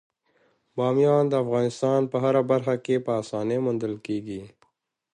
بامیان د افغانستان په هره برخه کې په اسانۍ موندل کېږي.